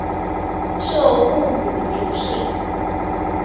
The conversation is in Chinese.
授户部主事。